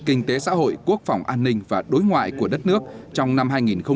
kinh tế xã hội quốc phòng an ninh và đối ngoại của đất nước trong năm hai nghìn hai mươi